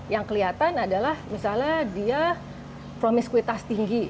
yang kelihatan adalah misalnya dia promiskuitas tinggi